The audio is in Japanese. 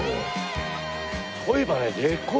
そういえばね。